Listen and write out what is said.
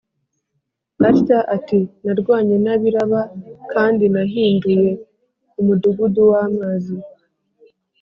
atya ati “Narwanye n’ab’i Raba, kandi nahindūye umudugudu w’amazi.